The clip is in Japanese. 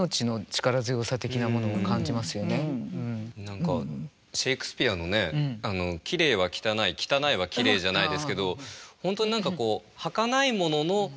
何かシェークスピアのね「きれいは汚い汚いはきれい」じゃないですけど本当に何かこうはかないものの強さっていうのも感じてちょっと。